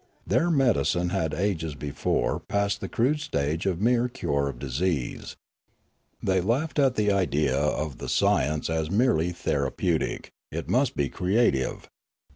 Their medicine had ages before passed the crude stage of mere cure of dis ease. They laughed at the idea of the science as merely therapeutic: it must be creative.